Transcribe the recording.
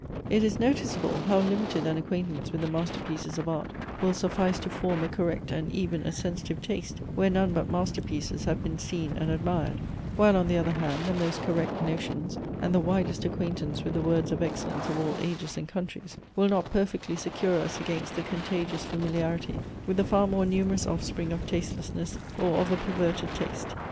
It is noticeable, how limited an acquaintance with the masterpieces of art will suffice to form a correct and even a sensitive taste, where none but master pieces have been seen and admired: while on the other hand, the most correct notions, and the widest acquaintance with the works of excellence of all ages and countries, will not perfectly secure us against the contagious familiarity with the far more numerous offspring of tastelessness or of a perverted taste.